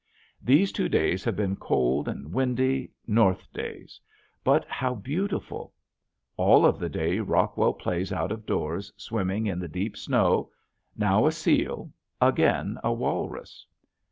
These two days have been cold and windy, north days, but how beautiful! All of the day Rockwell plays out of doors swimming in the deep snow, now a seal, again a walrus.